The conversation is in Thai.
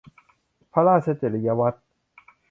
พระราชจริยวัตร